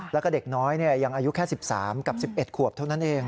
แล้วก็เด็กน้อยยังอายุแค่๑๓กับ๑๑ขวบเท่านั้นเอง